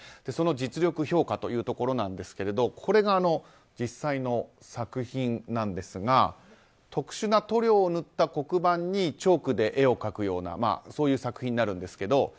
その実力評価というところですがこれが実際の作品なんですが特殊な塗料を塗った黒板にチョークで絵を描くような作品になるんですけど。